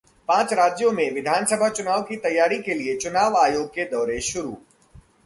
पांच राज्यों के विधानसभा चुनाव की तैयारियों के लिए चुनाव आयोग के दौरे शुरू